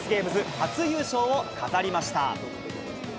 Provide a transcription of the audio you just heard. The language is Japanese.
初優勝を飾りました。